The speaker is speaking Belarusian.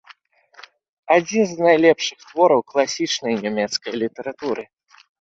Адзін з найлепшых твораў класічнай нямецкай літаратуры.